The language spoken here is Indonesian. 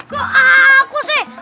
kok aku sih